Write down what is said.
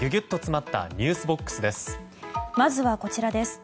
まずはこちらです。